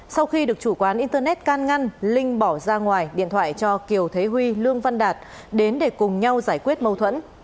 sau khi được chủ quán internet can ngăn linh bỏ ra ngoài điện thoại cho kiều thế huy lương văn đạt đến để cùng nhau giải quyết mâu thuẫn